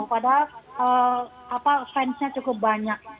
untuk fansnya cukup banyak